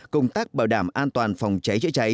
công tác bảo đảm an toàn phòng cháy chữa cháy